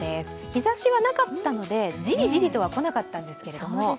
日ざしはなかったのでジリジリとは来なかったんですけども。